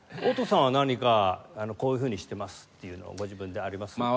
オッタさんは何かこういうふうにしてますっていうのはご自分であります？